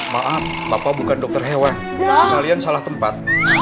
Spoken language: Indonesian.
maaf bapak bukan dokter hewan kalian salah tempat